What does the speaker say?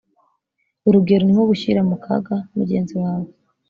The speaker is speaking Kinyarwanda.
urugero ni nko gushyira mu kaga mugenzi wawe